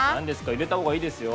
入れた方がいいですよ。